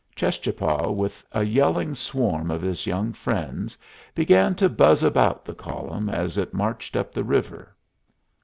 Cheschapah, with a yelling swarm of his young friends, began to buzz about the column as it marched up the river.